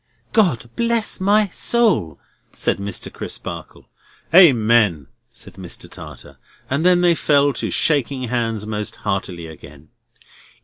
"God bless my soul!" said Mr. Crisparkle. "Amen!" said Mr. Tartar. And then they fell to shaking hands most heartily again.